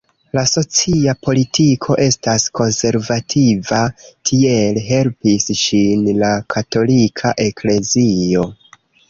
La socia politiko estas konservativa, tiele helpis ŝin la Katolika eklezio.